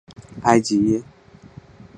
埃吉耶。